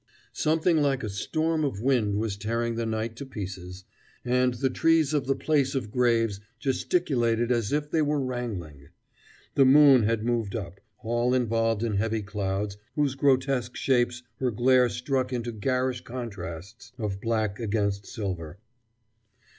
Something like a storm of wind was tearing the night to pieces, and the trees of the place of graves gesticulated as if they were wrangling. The moon had moved up, all involved in heavy clouds whose grotesque shapes her glare struck into garish contrasts of black against silver.